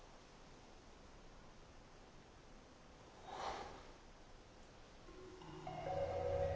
はあ。